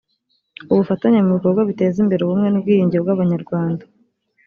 ubufatanye mu bikorwa biteza imbere ubumwe n ubwiyunge bw abanyarwanda